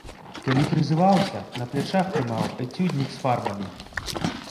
Калі прызываўся, на плячах трымаў эцюднік з фарбамі.